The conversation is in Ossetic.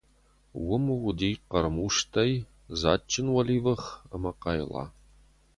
Уым уыди хъӕрмустӕй дзаджджын уӕливых ӕмӕ хъайла.